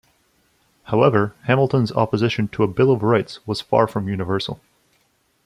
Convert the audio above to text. However, Hamilton's opposition to a Bill of Rights was far from universal.